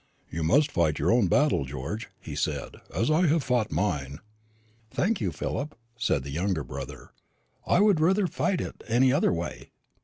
"You must fight your own battle, George," he said, "as I have fought mine." "Thank you, Philip," said the younger brother; "I would rather fight it any other way."